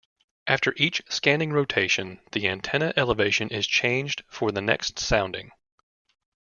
After each scanning rotation, the antenna elevation is changed for the next sounding.